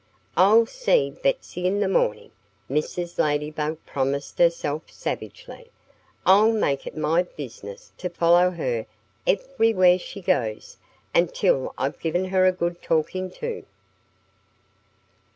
"I'll see Betsy in the morning," Mrs. Ladybug promised herself savagely. "I'll make it my business to follow her everywhere she goes, until I've given her a good talking to."